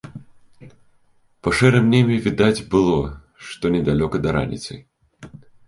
Па шэрым небе відаць было, што недалёка да раніцы.